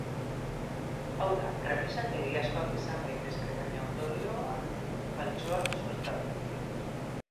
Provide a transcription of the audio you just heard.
Hau da, premisak egiazkoak izan daitezke baina ondorioa faltsua suertatu.